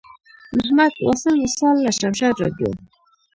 محمد واصل وصال له شمشاد راډیو.